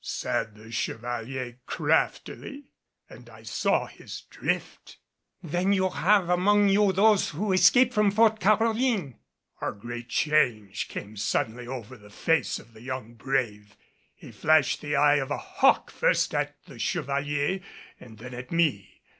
said the Chevalier craftily, and I saw his drift. "Then you have among you those who escaped from Fort Caroline!" A great change came suddenly over the face of the young brave. He flashed the eye of a hawk first at the Chevalier and then at me.